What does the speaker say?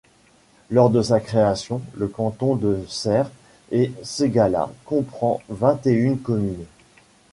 Lors de sa création, le canton de Cère et Ségala comprend vingt-et-une communes.